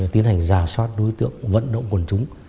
tiến hành giả soát đối tượng vận động quần chúng